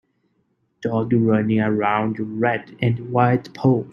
dog running around red and white poles